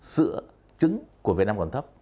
sữa trứng của việt nam còn thấp